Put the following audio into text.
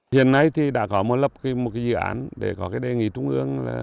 hiện nay thì đã có một lập một dự án để có đề nghị trung ương